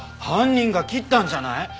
犯人が切ったんじゃない？